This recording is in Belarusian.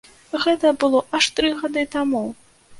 Гэта было аж тры гады таму!